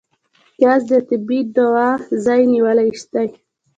پیاز د طبعي دوا ځای نیولی دی